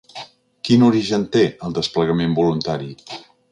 Quin origen té el desplegament voluntari?